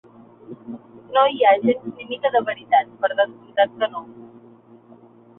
No hi ha gens ni mica de veritat, per descomptat que no.